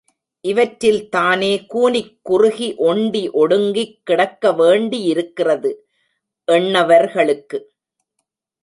இவற்றில் தானே கூனிக் குறுகி ஒண்டி ஒடுங்கிக் கிடக்கவேண்டியிருக்கிறது எண்ணறவர்களுக்கு?